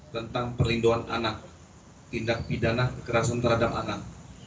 tentang perlindungan anak tindak pidana kekerasan terhadap anak